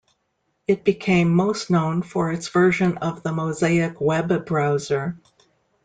It became most known for its version of the Mosaic web browser.